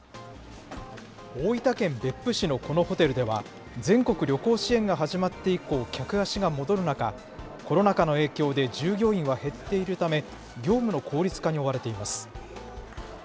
大分県別府市のこのホテルでは、全国旅行支援が始まって以降、客足が戻る中、コロナ禍の影響で従業員は減っているため、業務の効率化に追われています。